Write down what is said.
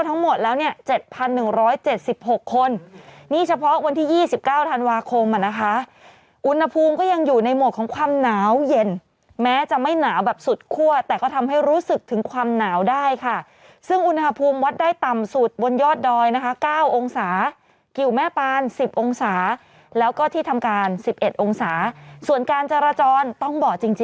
ทิศทิศสมปองมาหาเขาเรียกว่าอะไรเถอะก็ทิศสมปองทิศสมปอง